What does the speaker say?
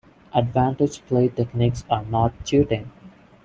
Advantage play techniques are not cheating.